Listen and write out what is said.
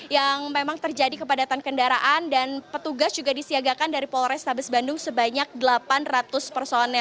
yang memang terjadi kepadatan kendaraan dan petugas juga disiagakan dari polres tabes bandung sebanyak delapan ratus personel